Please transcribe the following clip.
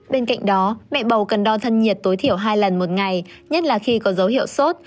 bên cạnh đó mẹ bầu cần đo thân nhiệt tối thiểu hai lần một ngày nhất là khi có dấu hiệu sốt